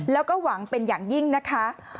แล้วก็หวังเป็นอย่างยิ่งนะคะ